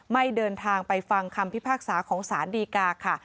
เดินทางไปฟังคำพิพากษาของสารดีกาค่ะ